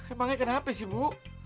emang ini kenapa sih bu